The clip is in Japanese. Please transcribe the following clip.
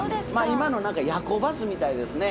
今の何か夜行バスみたいですね。